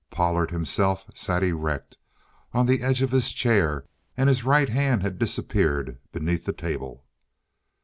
Pollard himself sat erect, on the edge of his chair, and his right hand had disappeared beneath the table.